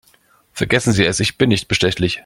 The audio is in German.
Vergessen Sie es, ich bin nicht bestechlich.